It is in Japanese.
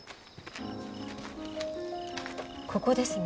ここですね。